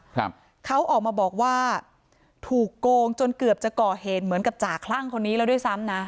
ครับเขาออกมาบอกว่าถูกโกงจนเกือบจะก่อเหตุเหมือนกับจ่าคลั่งคนนี้แล้วด้วยซ้ำนะ